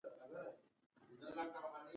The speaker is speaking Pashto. دا ټوکه نه ده.